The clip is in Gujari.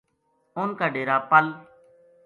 اُنھ کا ڈیرا پَل